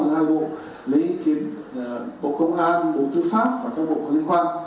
hai bộ lấy ý kiến bộ công an bộ tư pháp và các bộ có liên quan